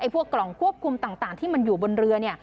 พวกกล่องควบคุมต่างที่มันอยู่บนเรือ